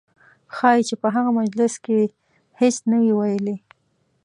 ښایي په هغه مجلس کې هېڅ نه وي ویلي.